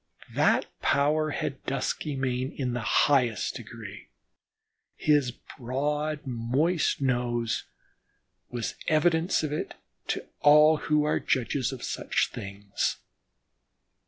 That power had Duskymane in the highest degree; his broad, moist nose was evidence of it to all who are judges of such things.